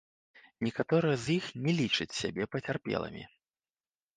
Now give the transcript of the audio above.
Некаторыя з іх не лічаць сябе пацярпелымі.